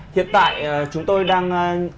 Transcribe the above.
hiện tại chúng tôi đang